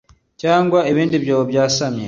cyangwa ibindi byobo byasamye